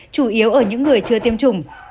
chủ yếu ở những người chưa tiêm chủng